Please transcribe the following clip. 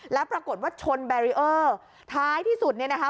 แล้วปรากฏว่าชนท้ายที่สุดนี้นะคะ